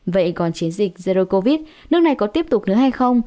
vậy còn chiến dịch zero covid nước này có tiếp tục nữa hay không